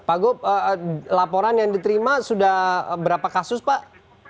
pak gop laporan yang diterima sudah berapa kasus pak